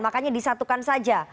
makanya disatukan saja